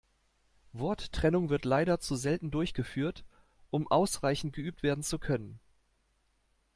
Worttrennung wird leider zu selten durchgeführt, um ausreichend geübt werden zu können.